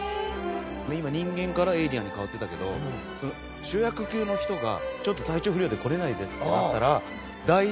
今人間からエイリアンに変わってたけど主役級の人がちょっと体調不良で来られないですってなったら。